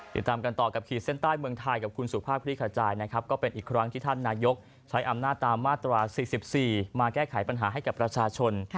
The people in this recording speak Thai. ติดตามกันต่อกับขีดเส้นใต้เมืองไทยกับคุณสุภาพคลิกขจายนะครับก็เป็นอีกครั้งที่ท่านนายกใช้อำนาจตามมาตรา๔๔มาแก้ไขปัญหาให้กับประชาชน